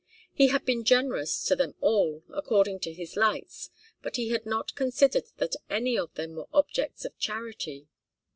He had been generous to them all, according to his lights, but he had not considered that any of them were objects of charity.